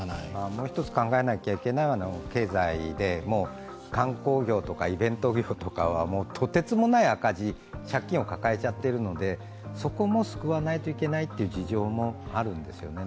もう一つ考えなきゃいけないことは経済で観光業とかイベント業とかはとてつもない赤字、借金を抱えちゃってるので、そこも救わないといけないという事情もあるんですよね。